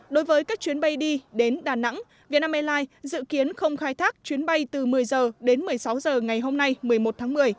đối với các chuyến bay đi đến đà nẵng vietnam airlines dự kiến không khai thác chuyến bay từ một mươi h đến một mươi sáu h ngày hôm nay một mươi một tháng một mươi